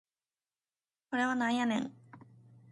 これはなんやねん